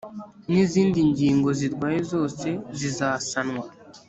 n izindi ngingo zirwaye zose zizasanwa